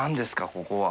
ここは。